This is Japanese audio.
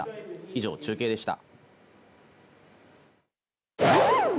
以上、中継でした。